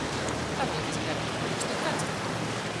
Karotes grebu. Jūs tak redzat.